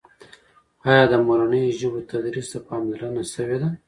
آیا د مورنیو ژبو تدریس ته پاملرنه سوي ده؟